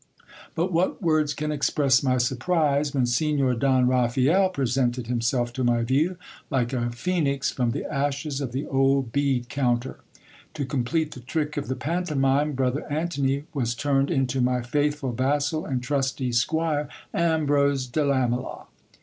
But what words can express my surprise, when Signor Don Raphael presented himself to my view, like a phoenix from the ashes of the old bead counter ! To complete the trick of the pantomime, brother Antony was turned into my faithful vassal and trusty squire, Ambrose de Lamela.